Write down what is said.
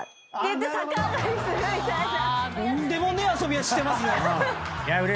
とんでもねえ遊びしてますね。